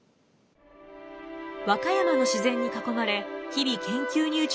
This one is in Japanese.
和歌山の自然に囲まれ日々研究に打ち込む熊楠。